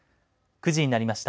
９時になりました。